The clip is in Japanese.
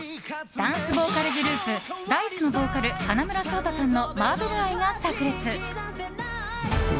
ダンスボーカルグループＤａ‐ｉＣＥのボーカル花村想太さんのマーベル愛がさく裂！